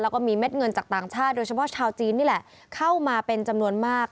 แล้วก็มีเม็ดเงินจากต่างชาติโดยเฉพาะชาวจีนนี่แหละเข้ามาเป็นจำนวนมาก